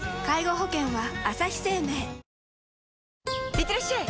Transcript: いってらっしゃい！